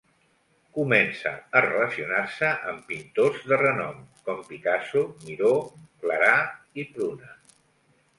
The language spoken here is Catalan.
Comença a relacionar-se amb pintors de renom com Picasso, Miró, Clarà i Pruna.